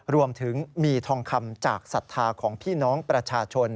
รวมถึงมีทองคำจากศรัทธาของพี่น้องประชาชน